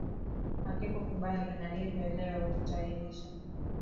hakikubaliki na hivyo leo tutaainisha